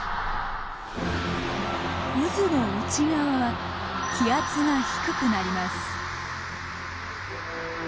渦の内側は気圧が低くなります。